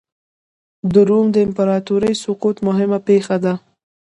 د روم د امپراتورۍ سقوط مهمه پېښه ده.